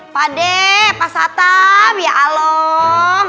pak de pak satam ya along